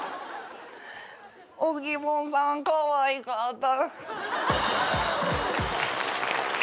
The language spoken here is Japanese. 置物さんかわいかった。